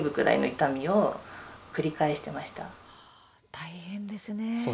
大変ですね。